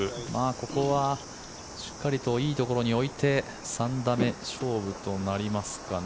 ここはしっかりといいところに置いて３打目勝負となりますかね。